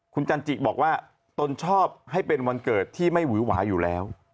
คุณจันจิบอกว่าตนชอบให้เป็นวันเกิดที่ไม่หวือหวาอยู่แล้ว